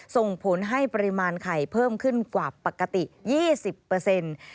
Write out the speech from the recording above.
ส่งผลให้ปริมาณไข่เพิ่มขึ้นกว่าปกติ๒๐เปอร์เซ็นต์